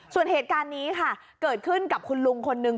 ส่วนเหตุการณ์นี้ค่ะเกิดขึ้นกับคุณลุงคนนึง